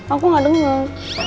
aku gak denger